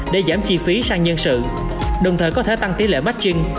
để giảm chi phí sang nhân sự đồng thời có thể tăng tỷ lệ marting